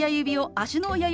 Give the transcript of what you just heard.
「足の親指」。